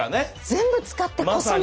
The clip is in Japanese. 全部使ってこその。